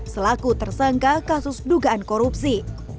selaku tersangka kasus dugaan korupsi